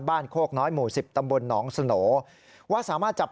บ้านโครกน้อยหมู่๑๐ตำบลนองสะโหน่าว่าสามารถจับ